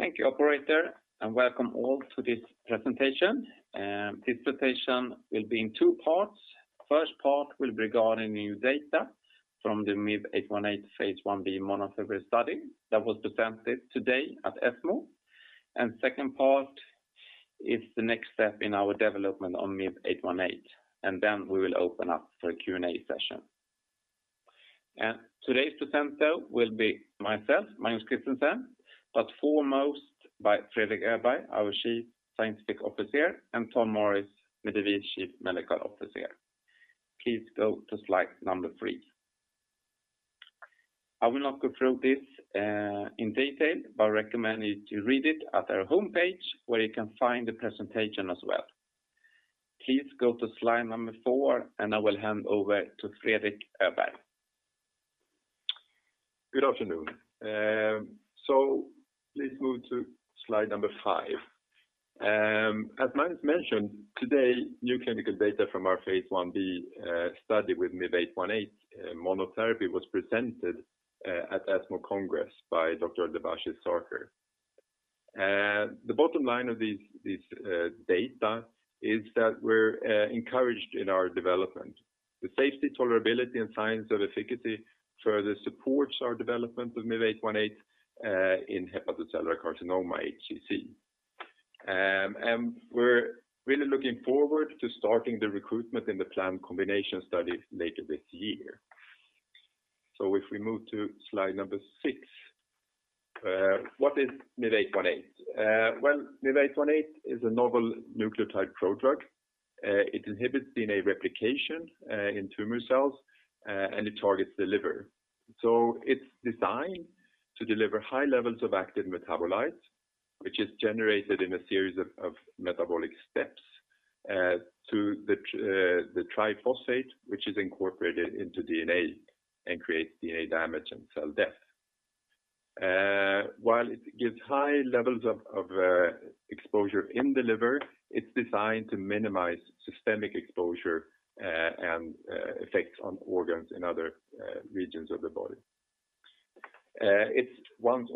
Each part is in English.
Thank you, operator, and welcome all to this presentation. This presentation will be in two parts. First part will be regarding new data from the MIV-818 Phase I-B monotherapy study that was presented today at ESMO. Second part is the next step in our development on MIV-818. Then we will open up for a Q&A session. Today's presenter will be myself, Magnus Christensen, but foremost by Fredrik Öberg, our Chief Scientific Officer, and Tom Morris, Medivir Chief Medical Officer. Please go to slide number three. I will not go through this in detail, but recommend you to read it at our homepage, where you can find the presentation as well. Please go to slide number four, and I will hand over to Fredrik Öberg. Good afternoon. Let's move to slide number five. As Magnus mentioned, today, new clinical data from our phase I-B study with MIV-818 monotherapy was presented at ESMO Congress by Dr. Devanand Sarkar. The bottom line of this data is that we're encouraged in our development. The safety, tolerability and signs of efficacy further supports our development of MIV-818 in hepatocellular carcinoma, HCC. We're really looking forward to starting the recruitment in the planned combination study later this year. If we move to slide number six. What is MIV-818? Well, MIV-818 is a novel nucleotide prodrug. It inhibits DNA replication in tumor cells, and it targets the liver. It's designed to deliver high levels of active metabolites, which is generated in a series of metabolic steps to the triphosphate, which is incorporated into DNA and creates DNA damage and cell death. While it gives high levels of exposure in the liver, it's designed to minimize systemic exposure and effects on organs in other regions of the body. It's once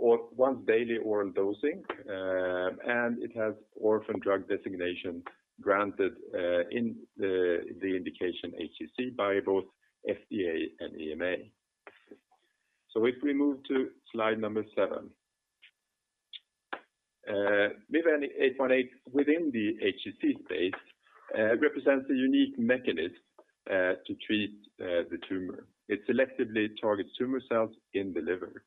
daily oral dosing, and it has orphan drug designation granted in the indication HCC by both FDA and EMA. If we move to slide number seven. MIV-818 within the HCC space represents a unique mechanism to treat the tumor. It selectively targets tumor cells in the liver.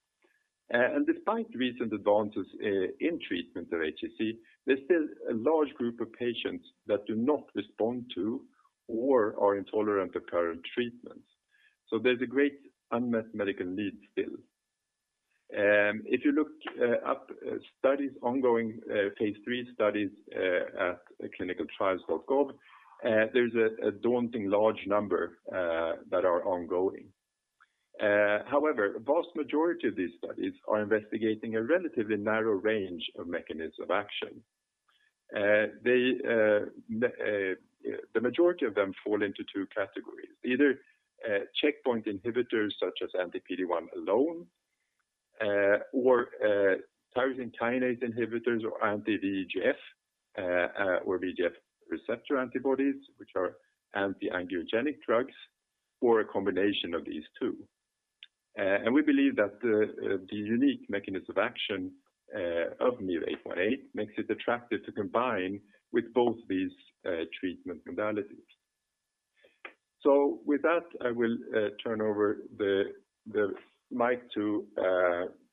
Despite recent advances in treatment of HCC, there's still a large group of patients that do not respond to or are intolerant to current treatments. There's a great unmet medical need still. If you look up studies, ongoing Phase III studies at clinicaltrials.gov, there's a daunting large number that are ongoing. However, a vast majority of these studies are investigating a relatively narrow range of mechanisms of action. The majority of them fall into two categories, either checkpoint inhibitors such as anti-PD-1 alone or tyrosine kinase inhibitors or anti-VEGF or VEGF receptor antibodies, which are anti-angiogenic drugs, or a combination of these two. We believe that the unique mechanism of action of MIV-818 makes it attractive to combine with both these treatment modalities. With that, I will turn over the mic to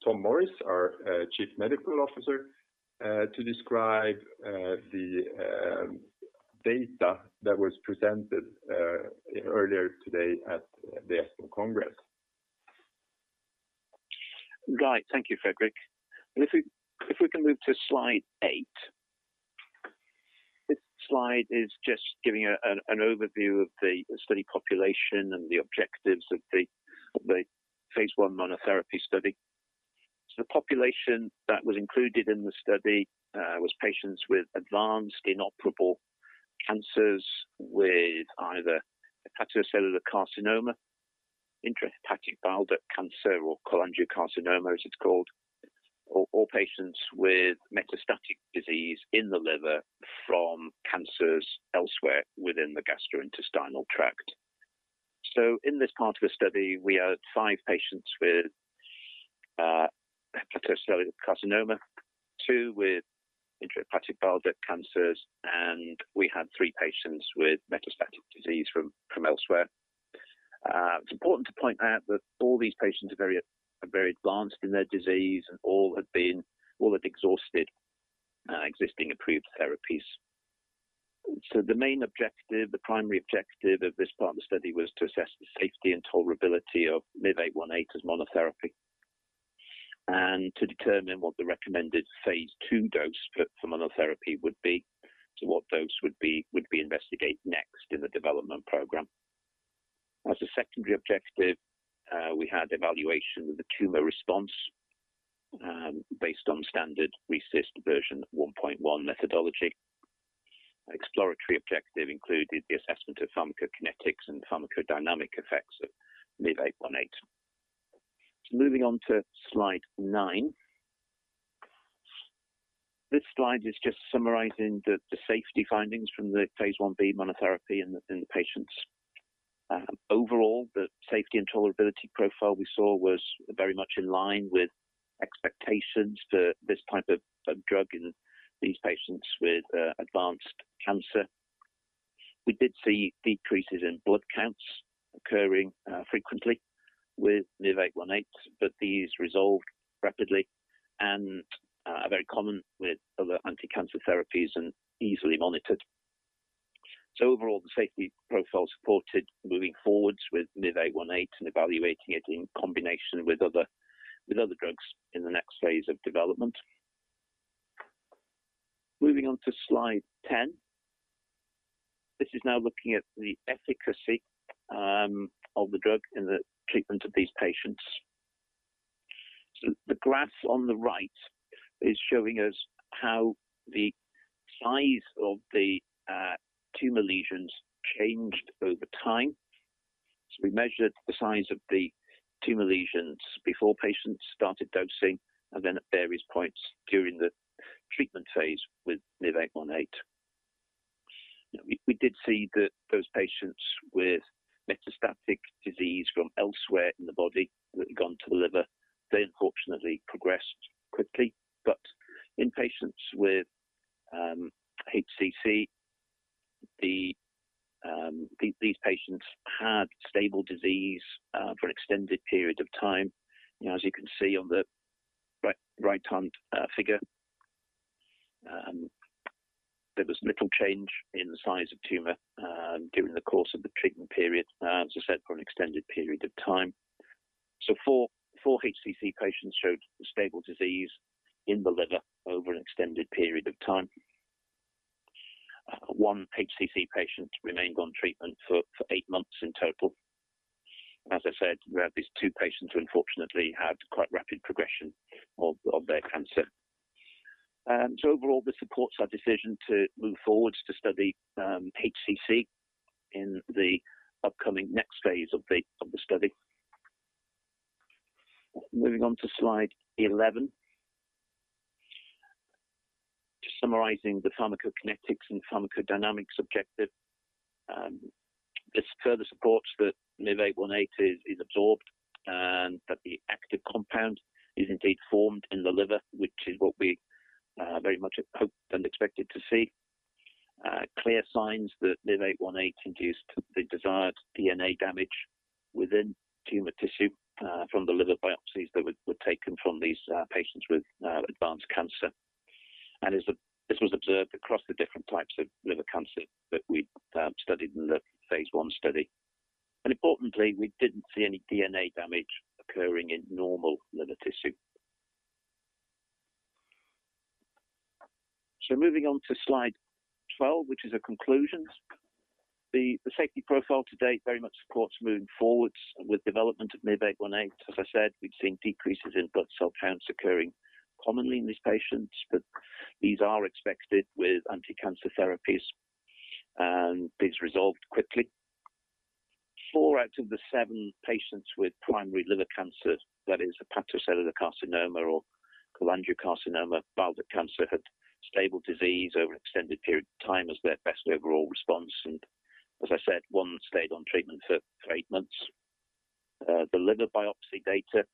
Tom Morris, our Chief Medical Officer, to describe the data that was presented earlier today at the ESMO Congress. Right. Thank you, Fredrik. If we can move to slide eight. This slide is just giving an overview of the study population and the objectives of the Phase I monotherapy study. The population that was included in the study was patients with advanced inoperable cancers with either hepatocellular carcinoma, intrahepatic bile duct cancer, or cholangiocarcinoma, as it's called, or patients with metastatic disease in the liver from cancers elsewhere within the gastrointestinal tract. In this part of the study, we had five patients with hepatocellular carcinoma, two with intrahepatic bile duct cancers, and we had three patients with metastatic disease from elsewhere. It's important to point out that all these patients are very advanced in their disease and all had exhausted existing approved therapies. The main objective, the primary objective of this part of the study was to assess the safety and tolerability of MIV-818 as monotherapy and to determine what the recommended phase II dose for monotherapy would be. What dose would be investigated next in the development program. As a secondary objective, we had evaluation of the tumor response based on standard RECIST version 1.1 methodology. Exploratory objective included the assessment of pharmacokinetics and pharmacodynamic effects of MIV-818. Moving on to slide nine. This slide is just summarizing the safety findings from the phase I-B monotherapy in the patients. Overall, the safety and tolerability profile we saw was very much in line with expectations for this type of drug in these patients with advanced cancer. We did see decreases in blood counts occurring frequently with MIV-818, but these resolved rapidly and are very common with other anti-cancer therapies and easily monitored. Overall, the safety profile supported moving forwards with MIV-818 and evaluating it in combination with other drugs in the next phase of development. Moving on to slide 10. This is now looking at the efficacy of the drug in the treatment of these patients. The graph on the right is showing us how the size of the tumor lesions changed over time. We measured the size of the tumor lesions before patients started dosing, and then at various points during the treatment phase with MIV-818. We did see that those patients with metastatic disease from elsewhere in the body that had gone to the liver, they unfortunately progressed quickly. In patients with HCC, these patients had stable disease for extended periods of time. As you can see on the right-hand figure, there was little change in the size of tumor during the course of the treatment period, as I said, for an extended period of time. Four HCC patients showed stable disease in the liver over an extended period of time. One HCC patient remained on treatment for eight months in total. As I said, these two patients unfortunately had quite rapid progression of their cancer. Overall, this supports our decision to move forwards to study HCC in the upcoming next phase of the study. Moving on to slide 11, just summarizing the pharmacokinetics and pharmacodynamics objective. This further supports that MIV-818 is absorbed, and that the active compound is indeed formed in the liver, which is what we very much had hoped and expected to see. Clear signs that MIV-818 induced the desired DNA damage within tumor tissue from the liver biopsies that were taken from these patients with advanced cancer. This was observed across the different types of liver cancer that we studied in the phase I study. Importantly, we didn't see any DNA damage occurring in normal liver tissue. Moving on to slide 12, which is our conclusions. The safety profile to date very much supports moving forwards with development of MIV-818. As I said, we've seen decreases in blood cell counts occurring commonly in these patients, but these are expected with anti-cancer therapies, and these resolved quickly. Four out of the seven patients with primary liver cancer, that is hepatocellular carcinoma or cholangiocarcinoma, bile duct cancer, had stable disease over an extended period of time as their best overall response. As I said, one stayed on treatment for eight months. The liver biopsy data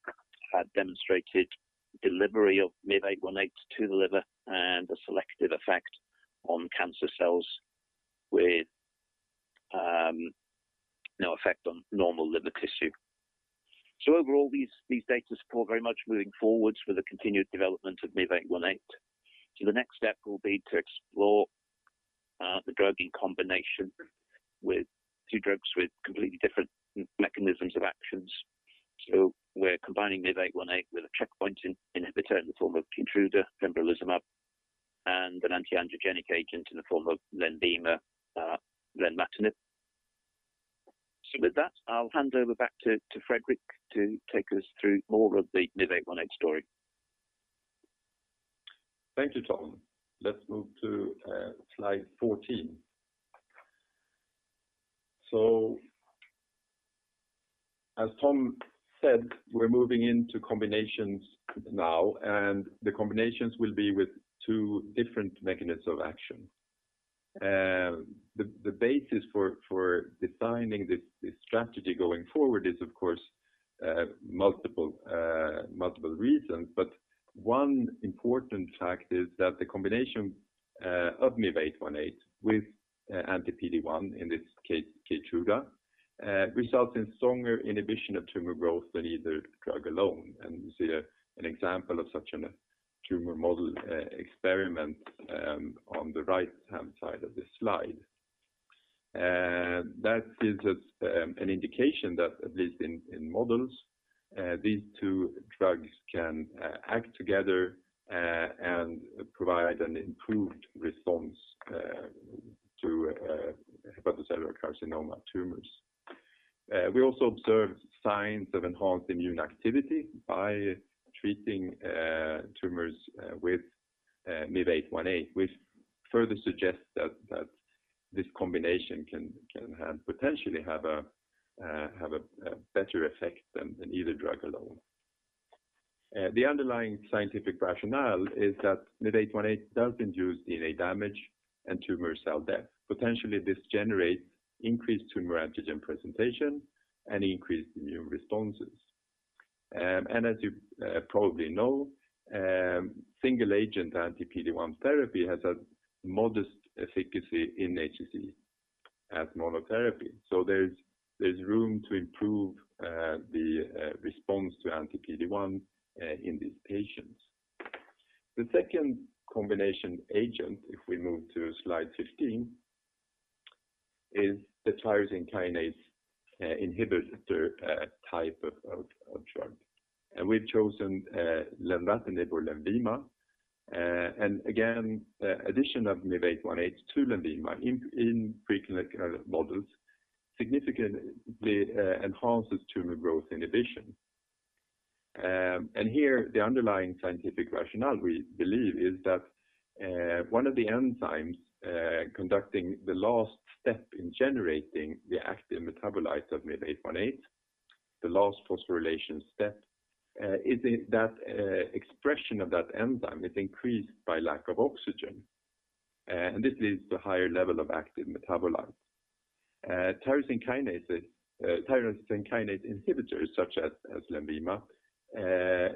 had demonstrated delivery of MIV-818 to the liver and a selective effect on cancer cells with no effect on normal liver tissue. Overall, these data support very much moving forwards for the continued development of MIV-818. The next step will be to explore the drug in combination with two drugs with completely different mechanisms of actions. We're combining MIV-818 with a checkpoint inhibitor in the form of KEYTRUDA, pembrolizumab, and an anti-angiogenic agent in the form of LENVIMA, lenvatinib. With that, I'll hand over back to Fredrik to take us through more of the MIV-818 story. Thank you, Tom. Let's move to slide 14. As Tom said, we're moving into combinations now, and the combinations will be with two different mechanisms of action. The basis for designing this strategy going forward is of course multiple reasons. One important fact is that the combination of MIV-818 with anti-PD-1, in this case KEYTRUDA, results in stronger inhibition of tumor growth than either drug alone. You see an example of such a tumor model experiment on the right-hand side of this slide. That gives us an indication that, at least in models, these two drugs can act together and provide an improved response to hepatocellular carcinoma tumors. We also observed signs of enhanced immune activity by treating tumors with MIV-818, which further suggests that this combination can potentially have a better effect than either drug alone. The underlying scientific rationale is that MIV-818 does induce DNA damage and tumor cell death. Potentially, this generates increased tumor antigen presentation and increased immune responses. As you probably know, single-agent anti-PD-1 therapy has a modest efficacy in HCC as monotherapy. There's room to improve the response to anti-PD-1 in these patients. The second combination agent, if we move to slide 15, is the tyrosine kinase inhibitor type of drug. We've chosen lenvatinib or LENVIMA. Again, addition of MIV-818 to LENVIMA in preclinical models significantly enhances tumor growth inhibition. Here, the underlying scientific rationale, we believe, is that one of the enzymes conducting the last step in generating the active metabolite of MIV-818, the last phosphorylation step, expression of that enzyme is increased by lack of oxygen. This leads to higher level of active metabolite. Tyrosine kinase inhibitors such as LENVIMA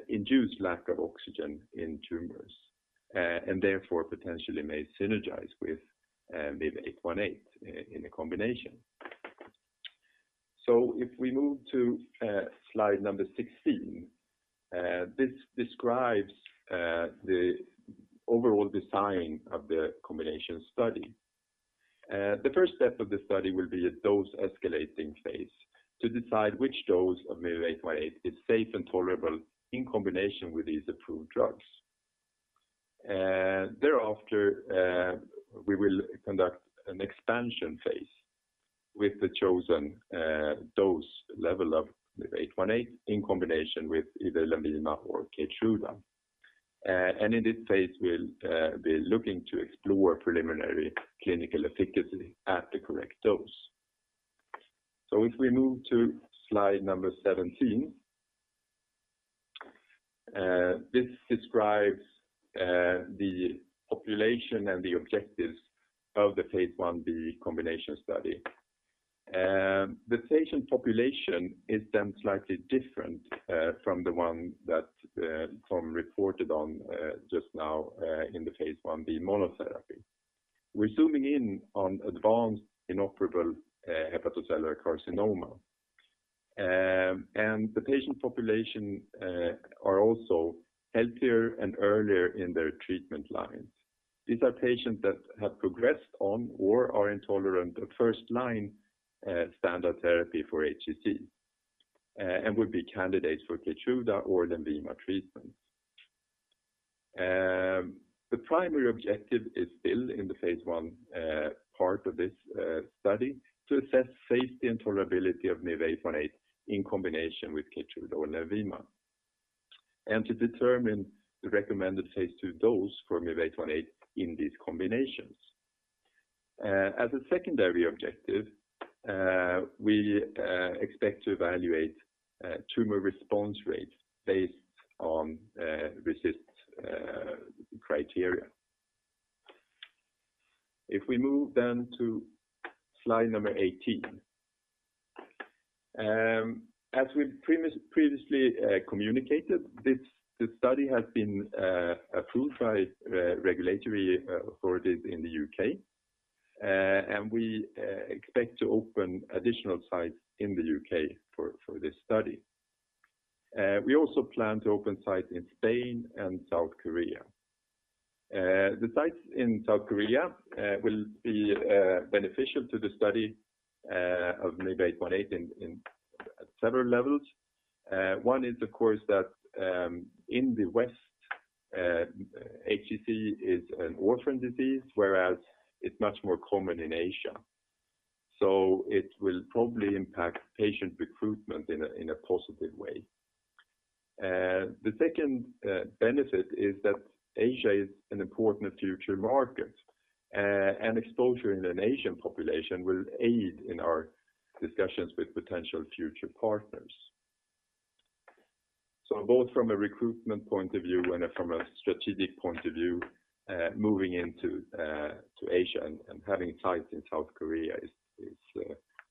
induce lack of oxygen in tumors, therefore potentially may synergize with MIV-818 in a combination. If we move to slide number 16, this describes the overall design of the combination study. The first step of the study will be a dose-escalating phase to decide which dose of MIV-818 is safe and tolerable in combination with these approved drugs. Thereafter, we will conduct an expansion phase with the chosen dose level of MIV-818 in combination with either LENVIMA or KEYTRUDA. In this phase, we'll be looking to explore preliminary clinical efficacy at the correct dose. If we move to slide number 17, this describes the population and the objectives of the phase I-B combination study. The patient population is slightly different from the one that Tom reported on just now in the phase I-B monotherapy. We are zooming in on advanced inoperable hepatocellular carcinoma. The patient population are also healthier and earlier in their treatment lines. These are patients that have progressed on or are intolerant of first-line standard therapy for HCC and would be candidates for KEYTRUDA or LENVIMA treatment. The primary objective is still in the phase I part of this study to assess safety and tolerability of MIV-818 in combination with KEYTRUDA or LENVIMA and to determine the recommended phase II dose for MIV-818 in these combinations. As a secondary objective, we expect to evaluate tumor response rates based on RECIST criteria. If we move then to slide number 18. As we previously communicated, the study has been approved by regulatory authorities in the U.K., and we expect to open additional sites in the U.K. for this study. We also plan to open sites in Spain and South Korea. The sites in South Korea will be beneficial to the study of MIV-818 at several levels. One is, of course, that in the West, HCC is an orphan disease, whereas it's much more common in Asia. It will probably impact patient recruitment in a positive way. The second benefit is that Asia is an important future market, and exposure in an Asian population will aid in our discussions with potential future partners. Both from a recruitment point of view and from a strategic point of view, moving into Asia and having sites in South Korea is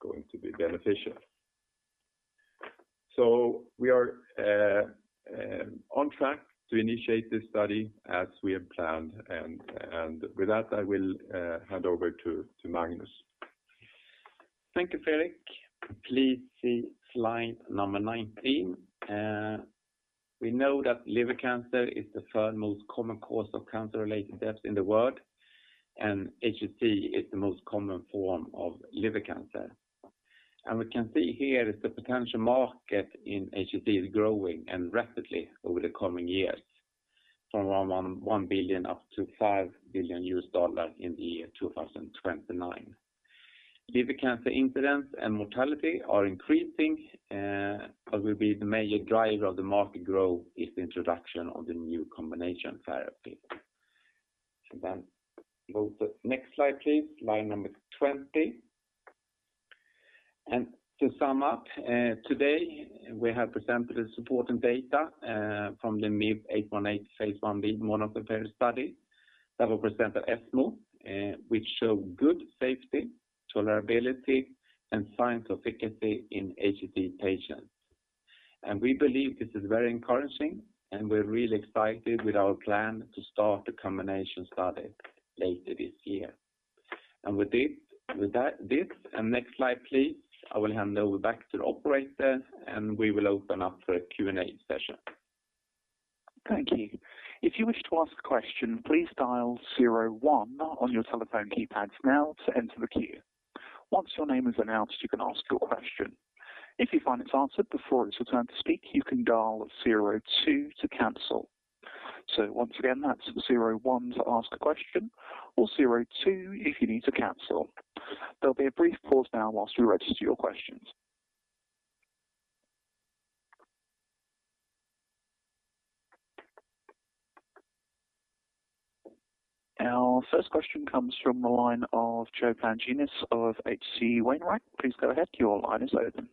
going to be beneficial. We are on track to initiate this study as we have planned. With that, I will hand over to Magnus. Thank you, Fredrik. Please see slide number 19. We know that liver cancer is the third most common cause of cancer-related deaths in the world, and HCC is the most common form of liver cancer. We can see here that the potential market in HCC is growing, and rapidly over the coming years. From around $1 billion-$5 billion in the year 2029. Liver cancer incidence and mortality are increasing, will be the major driver of the market growth is the introduction of the new combination therapy. Go to next slide, please. Slide number 20. To sum up, today we have presented the supporting data from the MIV-818 Phase I-B monotherapy study that were presented at ESMO, which show good safety, tolerability and signs of efficacy in HCC patients. We believe this is very encouraging, and we're really excited with our plan to start the combination study later this year. With this, and next slide, please, I will hand over back to the operator and we will open up for a Q&A session. Thank you. If you wish to ask a question, please dial 01 on your telephone keypads now to enter the queue. Once your name is announced, you can ask your question. If you find it's answered before it's your turn to speak, you can dial 02 to cancel. Once again, that's 01 to ask a question or 02 if you need to cancel. There'll be a brief pause now whilst we register your questions. Our first question comes from the line of Joseph Pantginis of H.C. Wainwright. Please go ahead. Your line is open.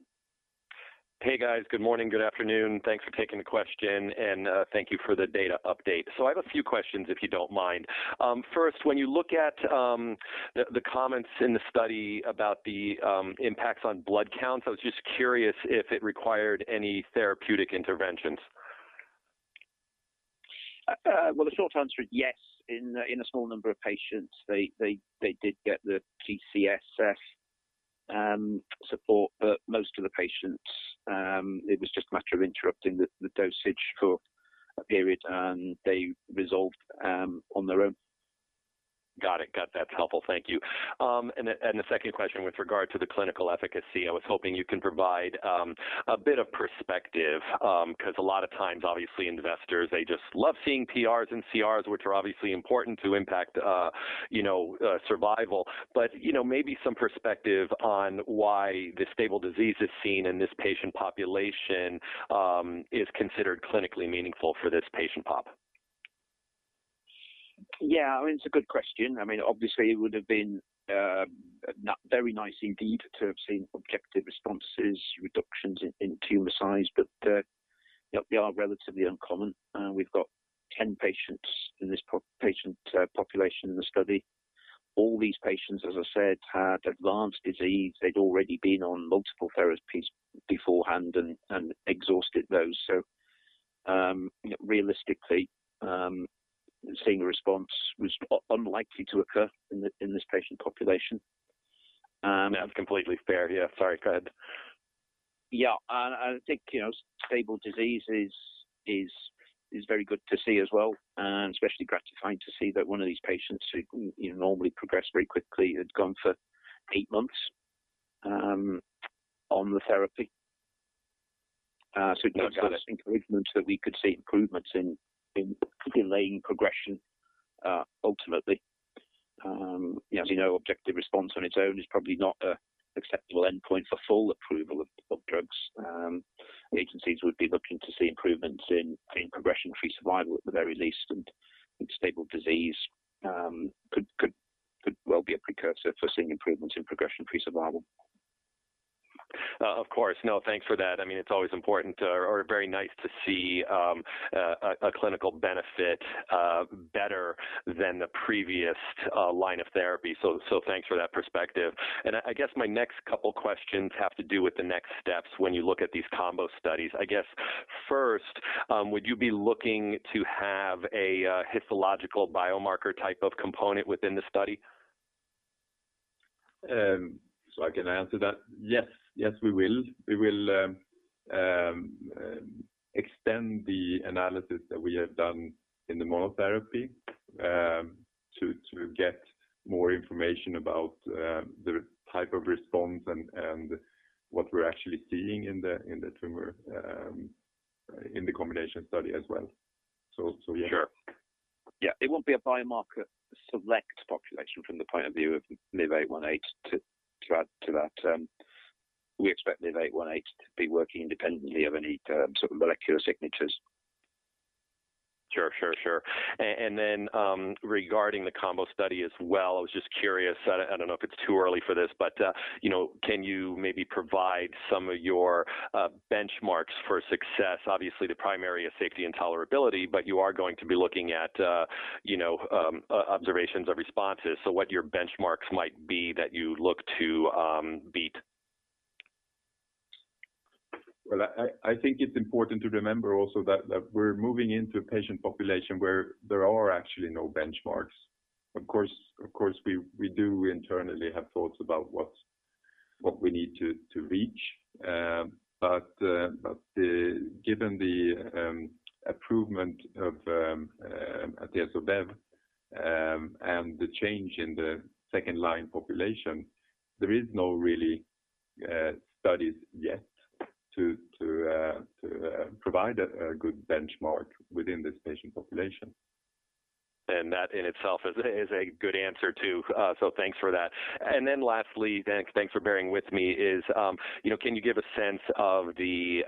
Hey, guys. Good morning, good afternoon. Thanks for taking the question and thank you for the data update. I have a few questions, if you don't mind. First, when you look at the comments in the study about the impacts on blood counts, I was just curious if it required any therapeutic interventions. Well, the short answer is yes. In a small number of patients, they did get the G-CSF support, but most of the patients, it was just a matter of interrupting the dosage for a period and they resolved on their own. Got it. Got that. Helpful. Thank you. The second question with regard to the clinical efficacy, I was hoping you can provide a bit of perspective, because a lot of times, obviously investors, they just love seeing PRs and CRs, which are obviously important to impact survival. Maybe some perspective on why the stable disease is seen in this patient population is considered clinically meaningful for this patient pop. Yeah, it's a good question. Obviously, it would have been very nice indeed to have seen objective responses, reductions in tumor size. They are relatively uncommon. We've got 10 patients in this patient population in the study. All these patients, as I said, had advanced disease. They'd already been on multiple therapies beforehand and exhausted those. Realistically, seeing a response was unlikely to occur in this patient population. That's completely fair. Yeah. Sorry. Go ahead. I think stable disease is very good to see as well, and especially gratifying to see that one of these patients who normally progress very quickly had gone for eight months on the therapy. There's encouragement that we could see improvements in delaying progression ultimately. You know, objective response on its own is probably not an acceptable endpoint for full approval of drugs. Agencies would be looking to see improvements in progression-free survival at the very least, and stable disease could well be a precursor for seeing improvements in progression-free survival. Of course. Thanks for that. It's always important or very nice to see a clinical benefit better than the previous line of therapy. Thanks for that perspective. I guess my next couple questions have to do with the next steps when you look at these combo studies. I guess first, would you be looking to have a histological biomarker type of component within the study? I can answer that. Yes, we will extend the analysis that we have done in the monotherapy to get more information about the type of response and what we're actually seeing in the tumor in the combination study as well. Sure. Yeah. It won't be a biomarker select population from the point of view of MIV-818 to add to that. We expect MIV-818 to be working independently of any sort of molecular signatures. Sure. Regarding the combo study as well, I was just curious, I don't know if it's too early for this, but can you maybe provide some of your benchmarks for success? Obviously, the primary is safety and tolerability, but you are going to be looking at observations of responses. What your benchmarks might be that you look to beat? Well, I think it's important to remember also that we're moving into a patient population where there are actually no benchmarks. Of course, we do internally have thoughts about what we need to reach. Given the approval of atezo bev and the change in the second-line population, there is no really studies yet. To provide a good benchmark within this patient population. That in itself is a good answer, too. Thanks for that. Lastly, thanks for bearing with me is can you give a sense of the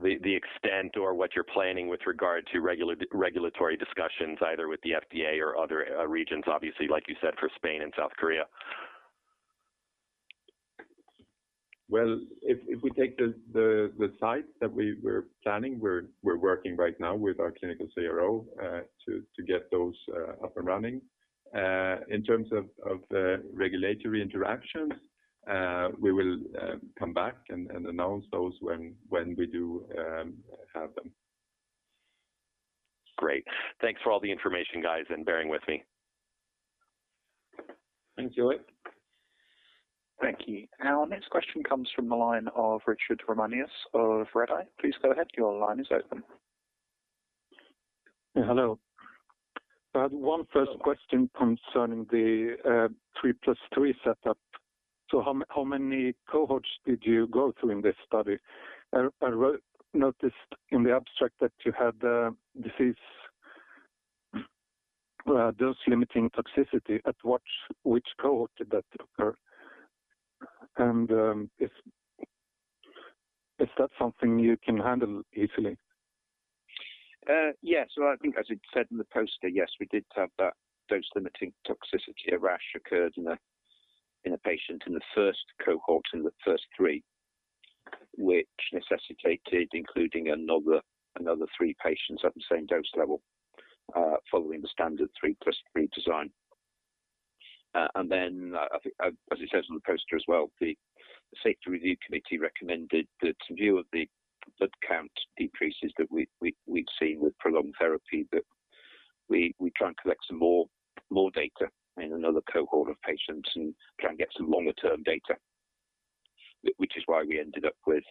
extent or what you're planning with regard to regulatory discussions, either with the FDA or other regions, obviously, like you said, for Spain and South Korea? Well, if we take the site that we're planning, we're working right now with our clinical CRO to get those up and running. In terms of regulatory interactions, we will come back and announce those when we do have them. Great. Thanks for all the information, guys, and bearing with me. Thanks, Joe. Thank you. Our next question comes from the line of Richard Ramanius of Redeye. Please go ahead. Hello. I have one first question concerning the 3+3 setup. How many cohorts did you go through in this study? I noticed in the abstract that you had a dose-limiting toxicity. At which cohort did that occur? Is that something you can handle easily? I think as it said in the poster, yes, we did have that dose-limiting toxicity. A rash occurred in a patient in the first cohort in the first three, which necessitated including another three patients at the same dose level following the standard 3+3 design. I think as it says on the poster as well, the Safety Review Committee recommended that in view of the blood count decreases that we'd seen with prolonged therapy, that we try and collect some more data in another cohort of patients and try and get some longer-term data. Which is why we ended up with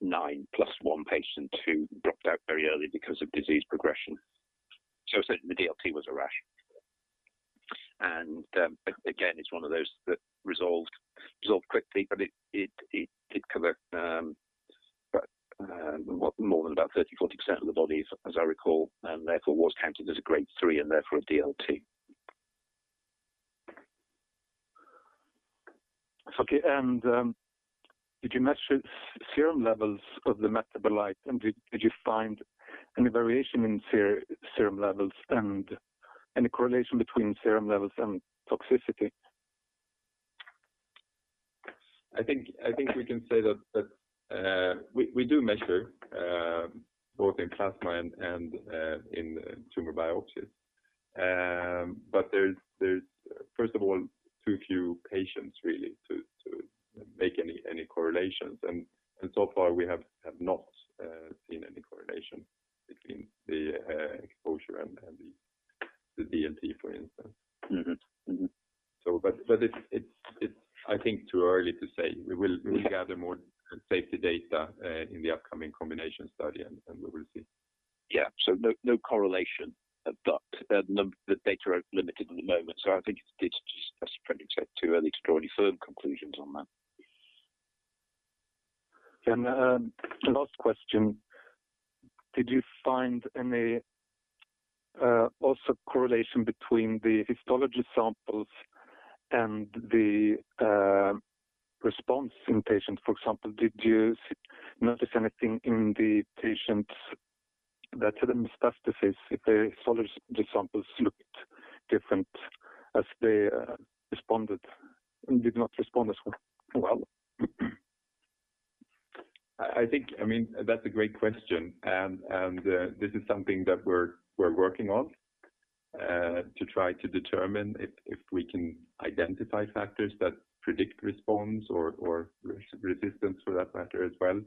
nine plus one patient who dropped out very early because of disease progression. As I said, the DLT was a rash. Again, it's one of those that resolved quickly, but it did cover more than about 30, 40% of the body, as I recall, and therefore was counted as a grade 3 and therefore a DLT. Okay. Did you measure serum levels of the metabolite? Did you find any variation in serum levels and any correlation between serum levels and toxicity? I think we can say that we do measure both in plasma and in tumor biopsies. There's first of all, too few patients really to make any correlations. So far, we have not seen any correlation between the exposure and the DLT, for instance. It's I think too early to say. We will gather more safety data in the upcoming combination study, and we will see. Yeah. No correlation, but the data are limited at the moment. I think it's just as Fredrik said, too early to draw any firm conclusions on that. The last question, did you find any also correlation between the histology samples and the response in patients? For example, did you notice anything in the patients that had a metastasis if the histology samples looked different as they responded and did not respond as well? That's a great question, and this is something that we're working on to try to determine if we can identify factors that predict response or resistance for that matter as well.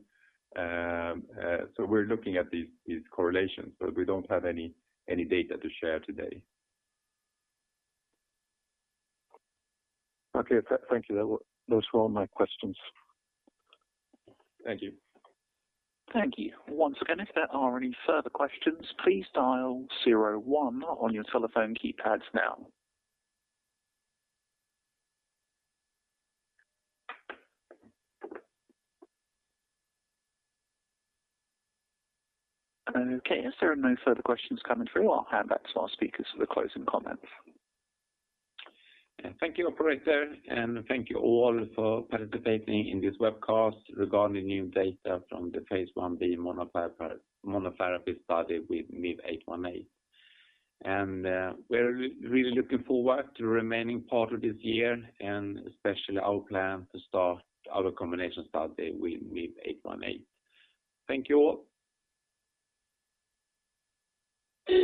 We're looking at these correlations, but we don't have any data to share today. Okay. Thank you. Those were all my questions. Thank you. Thank you. Once again, if there are any further questions, please dial 01 on your telephone keypads now. As there are no further questions coming through, I'll hand back to our speakers for the closing comments. Thank you, operator, and thank you all for participating in this webcast regarding new data from the phase I-B monotherapy study with MIV-818. We're really looking forward to the remaining part of this year and especially our plan to start our combination study with MIV-818. Thank you all.